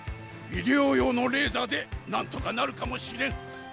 医療用のレーザーでなんとかなるかもしれん！